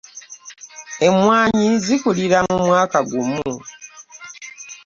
Emmwanyi zikulira mu mwaka gumu.